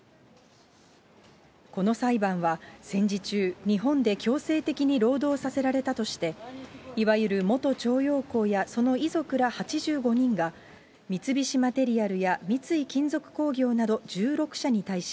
この裁判は、戦時中、日本で強制的に労働させられたとして、いわゆる元徴用工やその遺族ら８５人が、三菱マテリアルや三井金属鉱業など１６社に対し、